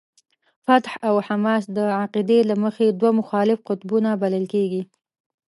فتح او حماس د عقیدې له مخې دوه مخالف قطبونه بلل کېږي.